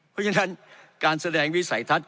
เพราะฉะนั้นการแสดงวิสัยทัศน